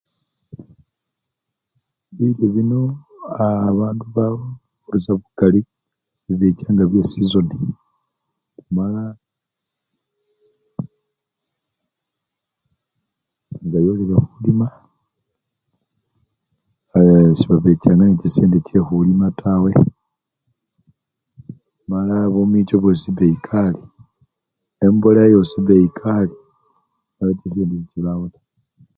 Bilyo bino aa! bandu bafurisya lukali bibechanga byesizoni mala nga yolile khulima yee sebabechanga nechisendi chekhulima tawe mala bumicho bwosi beyi kali, emboleya yosi beyikali mala chisendi sechibawo taa.